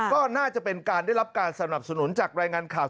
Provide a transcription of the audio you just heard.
ก็น่าจะเป็นการได้รับการสนับสนุนจากรายงานข่าว